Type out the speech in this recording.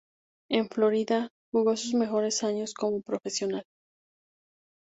En Florida jugó sus mejores años como profesional.